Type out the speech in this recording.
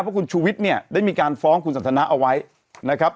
เพราะคุณชูวิทย์เนี่ยได้มีการฟ้องคุณสันทนาเอาไว้นะครับ